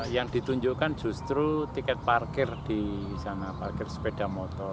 yang ditunjukkan justru tiket parkir di sana parkir sepeda motor